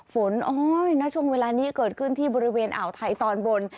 โอ๊ยณช่วงเวลานี้เกิดขึ้นที่บริเวณอ่าวไทยตอนบน